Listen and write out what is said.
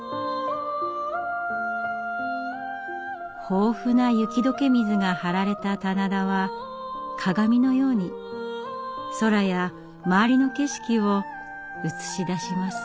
豊富な雪解け水が張られた棚田は鏡のように空や周りの景色を映し出します。